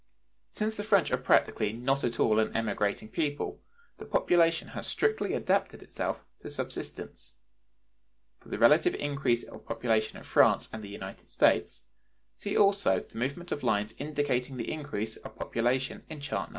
Since the French are practically not at all an emigrating people, population has strictly adapted itself to subsistence. For the relative increase of population in France and the United States, see also the movement of lines indicating the increase of population in chart No.